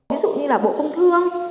ví dụ như là bộ công thương